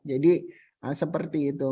jadi seperti itu